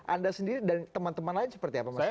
anda sendiri dan teman teman lain seperti apa mas